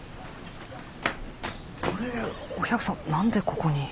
あれお百さん何でここに。